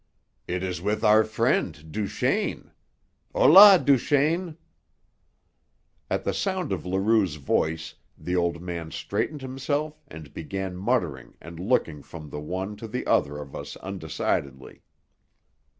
"It is with our friend, Duchaine. Holà, Duchaine!" At the sound of Leroux's voice the old man straightened himself and began muttering and looking from the one to the other of us undecidedly.